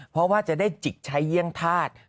เพราะว่าจะได้จิกใช้เยี่ยงธาตุ